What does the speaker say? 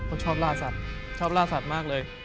เขาชอบล่าสัตว์ชอบล่าสัตว์มากเลย